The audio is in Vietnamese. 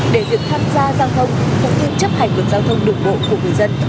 để việc tham gia giao thông và tiến chấp hành vượt giao thông đủ bộ của người dân được thuận tiện hơn